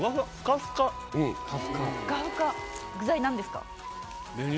フカフカ具材何ですか？